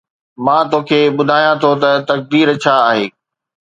مان توکي ٻڌايان ٿو ته تقدير ڇا آهي